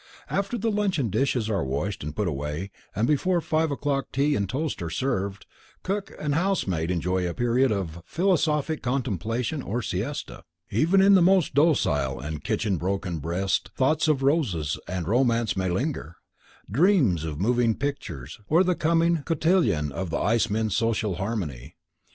After the luncheon dishes are washed and put away, and before five o'clock tea and toast are served, cook and housemaid enjoy a period of philosophic contemplation or siesta. Even in the most docile and kitchen broken breast thoughts of roses and romance may linger; dreams of moving pictures or the coming cotillion of the Icemen's Social Harmony.